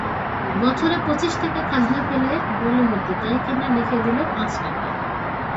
বছরে পচিশ টাকা খাজনা ফেলে-বোলে হোত, তাই কিনা লিখে নিলে পাঁচ টাকায়!